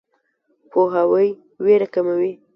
پوهاوی ویره کموي.